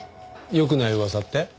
良くない噂って？